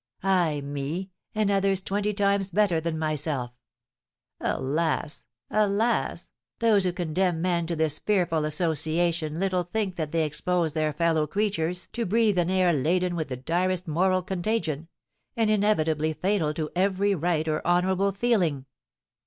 "Ay, me, and others twenty times better than myself! Alas, alas! those who condemn men to this fearful association little think that they expose their fellow creatures to breathe an air laden with the direst moral contagion, and inevitably fatal to every right or honourable feeling!"